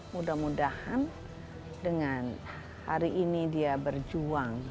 mudah mudahan dengan hari ini dia berjuang